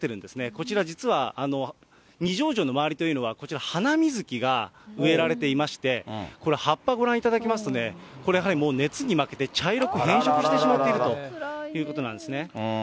こちら実は、二条城の周りというのは、こちら、ハナミズキが植えられていまして、これ、葉っぱご覧いただきますとね、これ、やはりもう熱に負けて、茶色く変色してしまっているということなんですね。